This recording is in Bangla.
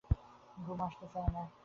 ঘুম আসতে চায় না।